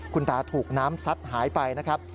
คุณตาถูกน้ำซัดหายไปนะครับ